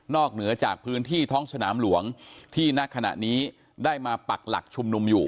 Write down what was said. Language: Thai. เหนือจากพื้นที่ท้องสนามหลวงที่ณขณะนี้ได้มาปักหลักชุมนุมอยู่